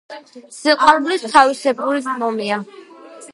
სიყვარულიც თავისებური ომია